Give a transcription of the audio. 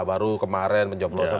baru kemarin menjawab dosen